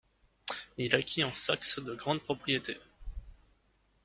Il acquit en Saxe de grandes propriétés.